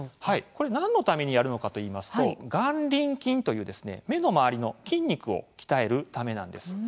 これ何のためにやるのかといいますと眼輪筋という目の周りの筋肉を鍛えるためなんです。